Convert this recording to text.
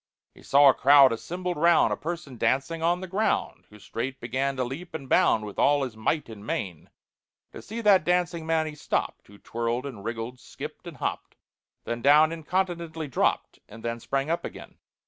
He saw a crowd assembled round A person dancing on the ground, Who straight began to leap and bound With all his might and main. To see that dancing man he stopped, Who twirled and wriggled, skipped and hopped, Then down incontinently dropped, And then sprang up again.